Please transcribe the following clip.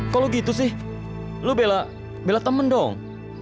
kalo gitu sih lu bela temen dong